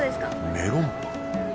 メロンパン。